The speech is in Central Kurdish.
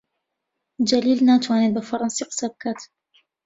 جەلیل ناتوانێت بە فەڕەنسی قسە بکات.